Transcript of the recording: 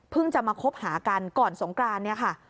จะมาคบหากันก่อนสงกรานเนี่ยค่ะ